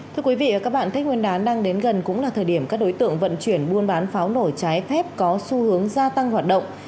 thưa quý vị và các bạn tết nguyên đán đang đến gần cũng là thời điểm các đối tượng vận chuyển buôn bán pháo nổi trái phép có xu hướng gia tăng hoạt động